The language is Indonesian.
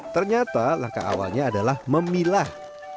ternyata langkah awalnya adalah memilah